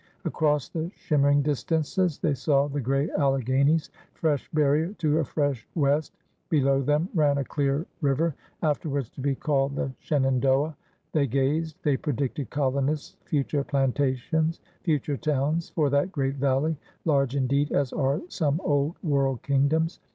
Across the shimmering distances they saw the gray Alleghanies, fresh barrier to a fresh west. Below them ran a clear river, after wards to be called the Shenandoah. They gazed — they predicted colonists, future planta tions, future towns, for that great valley, large indeed as are some Old World kingdoms.